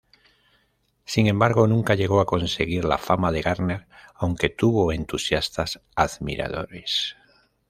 Sin embargo, nunca llegó a conseguir la fama de Garner, aunque tuvo entusiastas admiradores.